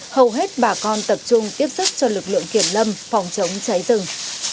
hầu hết bà con tập trung tiếp xúc cho lực lượng kiển lâm phòng chống cháy rừng